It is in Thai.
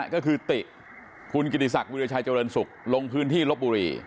ก็คือติคุณกิติศักดิราชัยเจริญสุขลงพื้นที่ลบบุรี